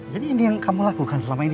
jadi ini yang kamu lakukan selama ini